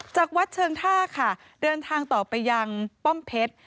จากวัดเชิงท่าค่ะเดินทางต่อไปยังป้อมเพชร